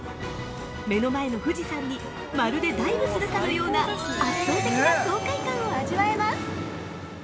目の前の富士山にまるでダイブするかのような圧倒的な爽快感を味わえます。